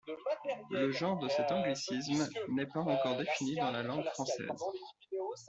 Le genre de cet anglicisme n'est pas encore défini dans la langue française.